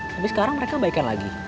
tapi sekarang mereka baikkan lagi